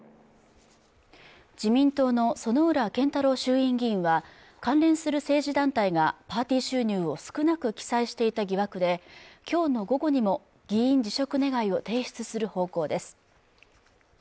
自民党の薗浦健太郎衆院議員は関連する政治団体がパーティー収入を少なく記載していた疑惑で今日の午後にも議員辞職願を提出する方向です